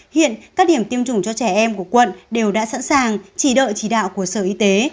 hiện các điểm tiêm chủng cho trẻ em của quận đều đã sẵn sàng chỉ đợi chỉ đạo của sở y tế